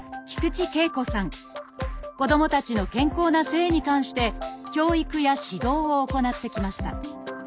子どもたちの健康な性に関して教育や指導を行ってきました。